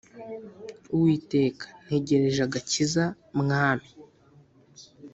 Uwiteka ntegereje agakiza mwami